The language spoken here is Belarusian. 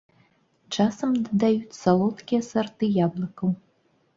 Часам дадаюць салодкія сарты яблыкаў.